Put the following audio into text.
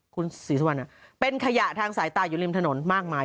คุณศรีสุวรรณเป็นขยะทางสายตาอยู่ริมถนนมากมาย